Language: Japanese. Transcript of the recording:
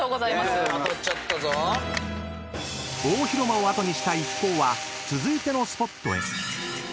［大広間を後にした一行は続いてのスポットへ］